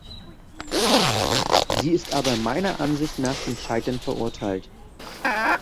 Sie ist aber meiner Ansicht nach zum Scheitern verurteilt.